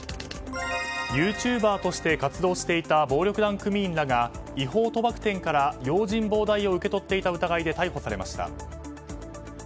ユーチューバーとして活動していた暴力団組員らが違法賭博店から用心棒代を受け取っていた疑いで逮捕されました。